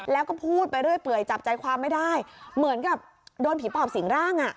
แล้วก็พูดไปเรื่อยเปื่อยจับใจความไม่ได้เหมือนกับโดนผีปอบสิงร่างอ่ะ